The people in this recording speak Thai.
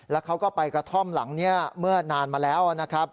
แล้วเขาก็ไปกระท่อมหลังนี้เมื่อนานมาแล้วนะครับ